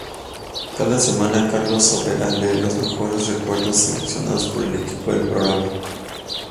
Cada semana Carlos Sobera lee los mejores recuerdos seleccionados por el equipo del programa.